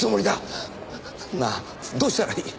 なあどうしたらいい？